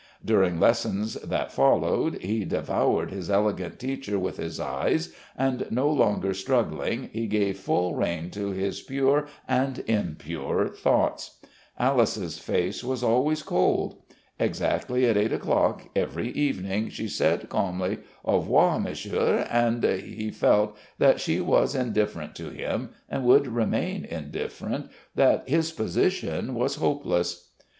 During lessons that followed he devoured his elegant teacher with his eyes, and no longer struggling, he gave full rein to his pure and impure thoughts. Alice's face was always cold. Exactly at eight o'clock every evening she said calmly, "Au revoir, Monsieur," and he felt that she was indifferent to him and would remain indifferent, that his position was hopeless.